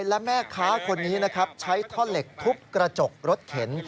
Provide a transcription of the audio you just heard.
และแม่ค้าคนนี้นะครับใช้ท่อนเหล็กทุบกระจกรถเข็น